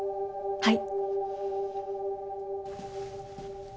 はい？